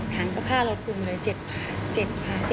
๗ครั้งก็ฆ่ารถกลุ่มเลย๗ครั้ง